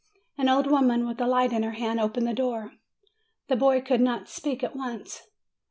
An old woman, with a light in her hand, opened the door. The boy could not speak at once.